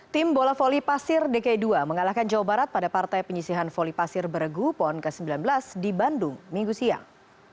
tim bola voli pasir dki dua mengalahkan jawa barat pada partai penyisihan voli pasir beregu pon ke sembilan belas di bandung minggu siang